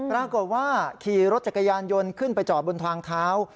ปรากฏว่าขี่รถจักรยานยนต์ขึ้นไปจอดบนทางเท้า